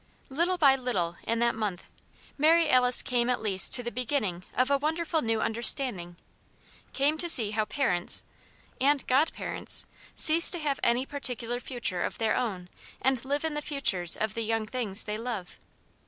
Little by little, in that month, Mary Alice came at least to the beginning of a wonderful new understanding: came to see how parents and _god_parents! cease to have any particular future of their own and live in the futures of the young things they love.